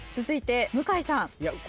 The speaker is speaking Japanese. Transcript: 続いて向井さん。